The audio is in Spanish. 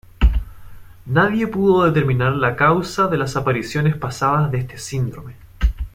Nadie pudo determinar la causa de las apariciones pasadas de este síndrome.